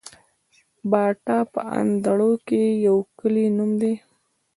باټا په اندړو کي د يو کلي نوم دی